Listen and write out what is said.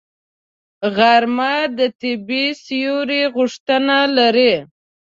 غرمه د طبیعي سیوري غوښتنه لري